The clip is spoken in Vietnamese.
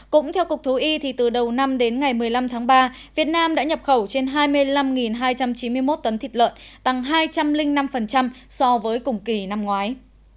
cũng theo cục thú y từ đầu năm đến ngày một mươi năm tháng ba việt nam đã nhập khẩu trên hai mươi năm hai trăm chín mươi một tấn thịt lợn tăng hai trăm linh năm so với cùng kỳ năm ngoái